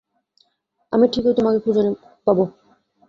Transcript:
আমি ঠিকই তোমাকে খুঁজে পাবো।